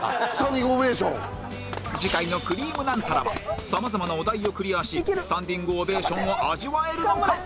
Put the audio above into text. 次回の『くりぃむナンタラ』はさまざまなお題をクリアしスタンディングオベーションを味わえるのか？